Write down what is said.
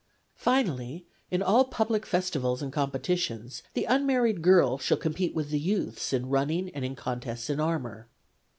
Finally, in all public festivals and competitions the unmarried girls shall compete with the youths in running and in contests in armour.